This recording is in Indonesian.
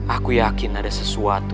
aku yakin ada sesuatu